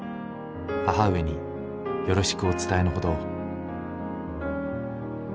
母上によろしくお伝えの程を」。